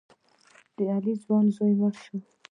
د علي ځوان زوی مړ شو.